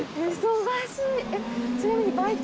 忙しい！